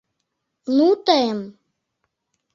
Ну, тыйым...